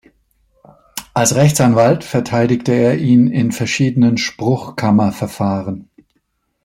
Als Rechtsanwalt verteidigte er ihn in verschiedenen Spruchkammerverfahren.